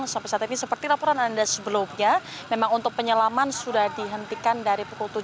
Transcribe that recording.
sampai saat ini seperti laporan anda sebelumnya memang untuk penyelaman sudah dihentikan dari pukul tujuh